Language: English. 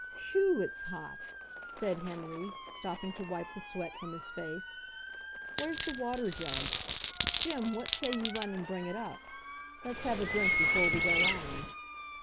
"Whew! it's hot!" said Henry, stopping to wipe the sweat from his face. "Where's the water jug? Jim, what say you run and bring it up? Let's have a drink before we go on."